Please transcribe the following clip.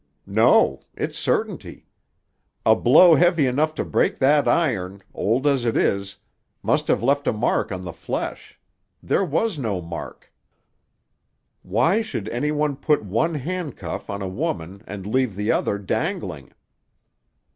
"No; it's certainty. A blow heavy enough to break that iron, old as it is, must have left a mark on the flesh. There was no mark." "Why should any one put one handcuff on a woman and leave the other dangling?"